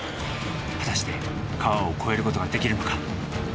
果たして川を越える事ができるのか？